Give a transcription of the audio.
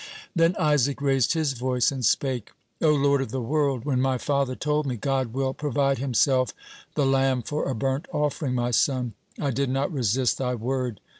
Then Isaac raised his voice and spake: "O Lord of the world, when my father told me, 'God will provide Himself the lamb for a burnt offering, my son,' I did not resist Thy word.